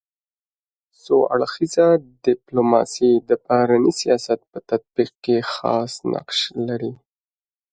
څو اړخیزه ډيپلوماسي د بهرني سیاست په تطبیق کي خاص نقش لري.